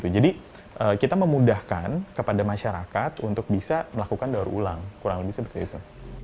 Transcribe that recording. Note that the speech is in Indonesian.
jadi kita memudahkan kepada masyarakat untuk bisa melakukan daur ulang kurang lebih seperti itu